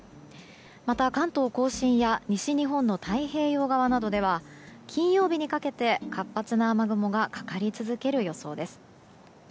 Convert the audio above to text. また関東・甲信や西日本の太平洋側などでは金曜日にかけて活発な雨雲がかかり続ける予想です。